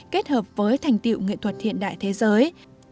kết hợp với thành tiệu nghệ thuật hiện đại thế giới